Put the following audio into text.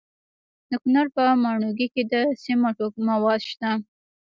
د کونړ په ماڼوګي کې د سمنټو مواد شته.